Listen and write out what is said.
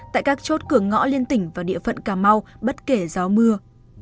tại các chốt cửa ngõ liên tỉnh và địa phận cà mau bất kể gió mưa